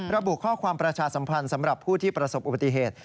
ระบุข้อความประชาสัมพันธ์สำหรับผู้ที่ประสบอุบัติเหตุ